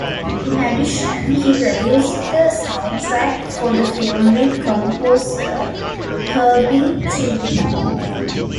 In addition, he produced the soundtrack for the film with composer Herbie Tribino.